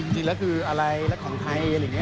จริงแล้วคืออะไรแล้วของไทยอะไรอย่างนี้